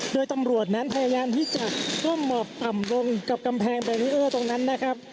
โดยตำรวจนั้นพยายามที่จะก้มหมอบต่ำลงกับกำแพงแบรีเออร์ตรงนั้นนะครับ